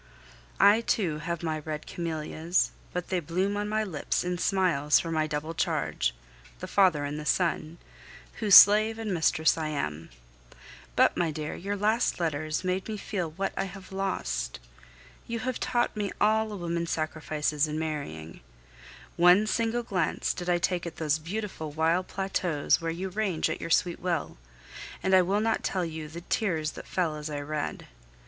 I too have my red camellias, but they bloom on my lips in smiles for my double charge the father and the son whose slave and mistress I am. But, my dear, your last letters made me feel what I have lost! You have taught me all a woman sacrifices in marrying. One single glance did I take at those beautiful wild plateaus where you range at your sweet will, and I will not tell you the tears that fell as I read.